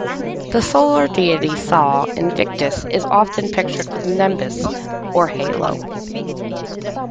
The solar deity Sol Invictus is often pictured with a nimbus or halo.